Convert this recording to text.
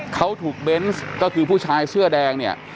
เขาถูกเบนส์ก็คือผู้ชายเสื้อแดงเนี่ย